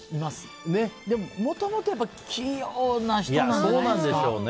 でも、もともと器用な人なんじゃないですか。